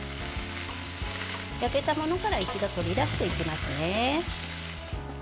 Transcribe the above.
焼けたものから一度取り出していきますね。